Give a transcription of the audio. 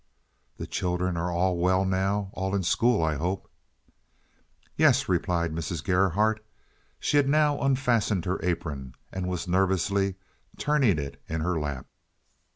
"The children are all well now, and in school, I hope?" "Yes," replied Mrs. Gerhardt. She had now unfastened her apron, and was nervously turning it in her lap.